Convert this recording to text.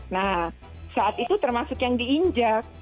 nah saat itu termasuk yang diinjak